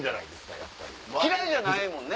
嫌いじゃないもんね。